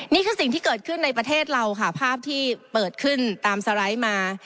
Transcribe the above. นี่คือสิ่งที่เกิดขึ้นในประเทศเราค่ะภาพที่เปิดขึ้นตามสไลด์มา